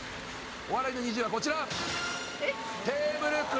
お笑いの２０はこちら！